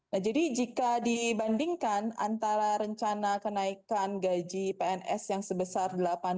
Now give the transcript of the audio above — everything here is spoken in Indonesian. nah jadi jika dibandingkan antara rencana kenaikan gaji pns yang sebesar delapan